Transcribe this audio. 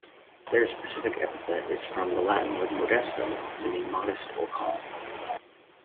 Their specific epithet is from the Latin word "modestum", meaning modest or calm.